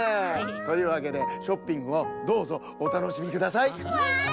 というわけでショッピングをどうぞおたのしみください。わい！